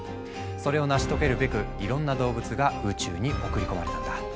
それを成し遂げるべくいろんな動物が宇宙に送り込まれたんだ。